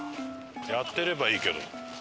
やってればいいけど。